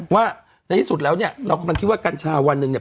ว่าในที่สุดแล้วเนี่ยเรากำลังคิดว่ากัญชาวันหนึ่งเนี่ย